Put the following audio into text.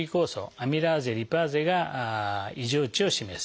アミラーゼリパーゼが異常値を示す。